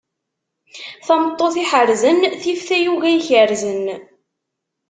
Tameṭṭut iḥerrzen, tif tayuga ikerrzen.